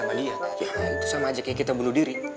pam ali tau